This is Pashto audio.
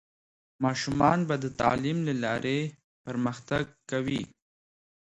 ماشومان به د تعلیم له لارې پرمختګ کوي.